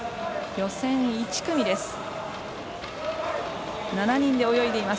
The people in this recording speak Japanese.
予選１組です。